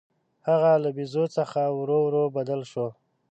هغه له بیزو څخه ورو ورو بدل شو.